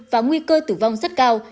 và nguy cơ tử vong rất cao